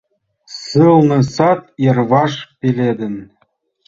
Сылне сад йырваш пеледын